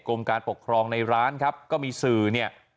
การปกครองในร้านครับก็มีสื่อเนี่ย